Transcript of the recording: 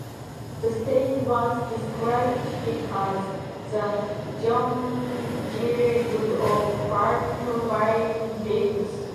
The Stage once described him as "the John Gielgud of pantomime dames".